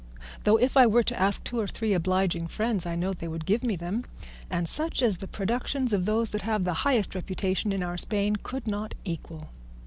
Though if I were to ask two or three obliging friends, I know they would give me them, and such as the productions of those that have the highest reputation in our Spain could not equal.